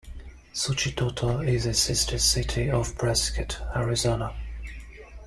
Suchitoto is a Sister City of Prescott, Arizona.